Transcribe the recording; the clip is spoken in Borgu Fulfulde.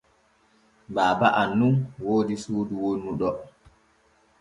Baaba am nun woodi suudu wonnu ɗo.